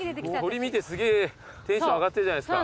鳥見てすげえテンション上がってるじゃないですか。